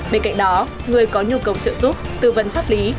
bên cạnh đó người có nhu cầu trợ giúp tư vấn pháp lý